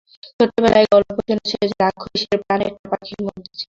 ছেলেবেলায় গল্প শুনেছ যে, রাক্ষসীর প্রাণ একটা পাখীর মধ্যে ছিল।